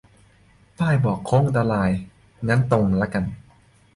ป้ายบอกโค้งอันตราย งั้นตรงละกัน